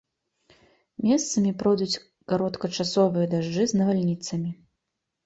Месцамі пройдуць кароткачасовыя дажджы з навальніцамі.